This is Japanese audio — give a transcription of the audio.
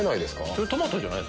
それトマトじゃない？